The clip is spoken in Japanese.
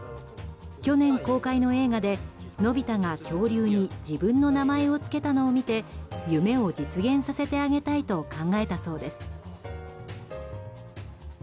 去年公開の映画でのび太が恐竜に自分の名前を付けたのを見て夢を実現させてあげたいと考えたそうです。